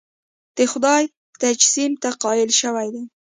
د خدای تجسیم ته قایل شوي دي.